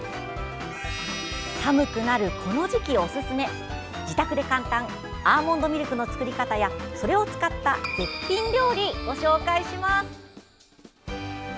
寒くなるこの時期おすすめ自宅で簡単アーモンドミルクの作り方やそれを使った絶品料理をご紹介します。